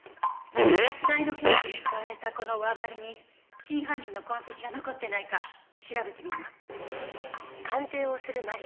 殺害の凶器に使われたこの輪針に真犯人の痕跡が残ってないか調べてみるわ。